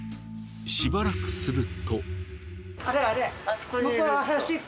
しばらくすると。